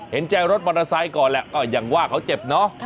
เห็นใจรถมอเตอร์ไซค์ก่อนแหละก็อย่างว่าเขาเจ็บเนอะ